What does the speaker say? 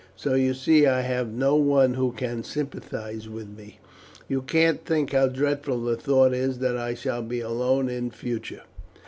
So you see I have no one who can sympathize with me. You can't think how dreadful the thought is that I shall be alone in future."